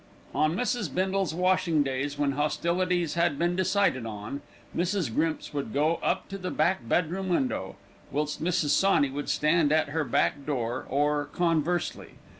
On Mrs. Bindle's washing days, when hostilities had been decided on, Mrs. Grimps would go up to the back bedroom window, whilst Mrs. Sawney would stand at her back door, or conversely.